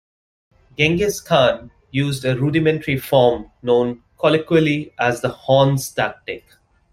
Genghis Khan used a rudimentary form known colloquially as the "horns" tactic.